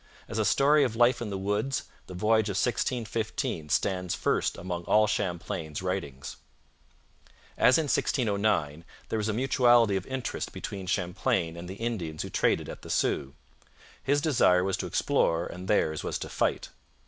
As a story of life in the woods, the Voyage of 1615 stands first among all Champlain's writings. As in 1609, there was a mutuality of interest between Champlain and the Indians who traded at the Sault. His desire was to explore and theirs was to fight.